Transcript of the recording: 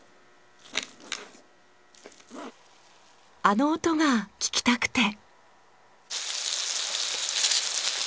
あの音が聞きたくて。